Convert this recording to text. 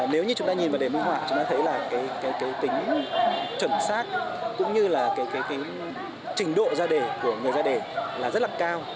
nếu như chúng ta nhìn vào đề minh họa chúng ta thấy là cái tính chuẩn xác cũng như là cái trình độ ra đề của người ra đề là rất là cao